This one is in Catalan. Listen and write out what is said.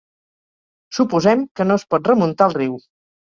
Suposem que no es pot remuntar el riu.